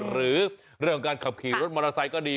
หรือเรื่องการขับขี่รถมอเตอร์ไซค์ก็ดี